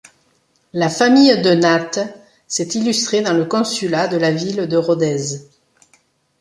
La famille de Nattes s'est illustrée dans le consulat de la ville de Rodez.